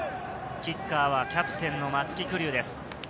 キッカーはキャプテンの松木玖生です。